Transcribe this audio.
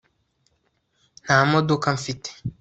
nta modoka mfite